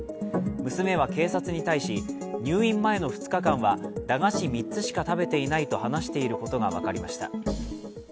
娘は警察に対し、入院前の２日間は駄菓子３つしか食べていないと話していることが分かりました。